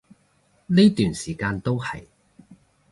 呢段時間都係